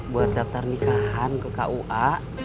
buat daftar nikahan ke kua